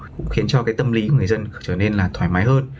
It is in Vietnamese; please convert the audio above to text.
cũng khiến cho tâm lý của người dân trở nên thoải mái hơn